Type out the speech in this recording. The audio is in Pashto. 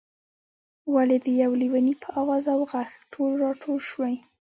ولې د یو لېوني په آواز او غږ ټول راټول شوئ.